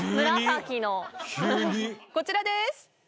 こちらです。